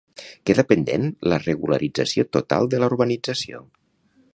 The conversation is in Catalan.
Queda pendent la regularització total de la urbanització.